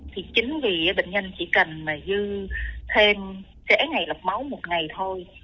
thì chính vì bệnh nhân chỉ cần mà dư thêm trễ ngày lọc máu một ngày thôi